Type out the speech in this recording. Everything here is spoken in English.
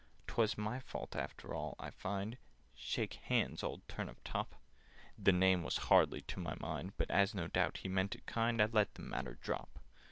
"'Twas my fault after all, I find— Shake hands, old Turnip top!" The name was hardly to my mind, But, as no doubt he meant it kind, I let the matter drop.